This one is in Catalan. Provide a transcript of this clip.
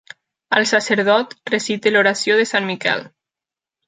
El sacerdot recita l'oració de Sant Miquel.